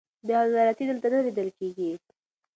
بې عدالتي دلته نه لیدل کېږي.